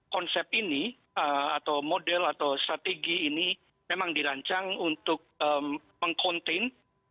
konsep ini atau model atau strategi ini memang dirancang untuk meng contain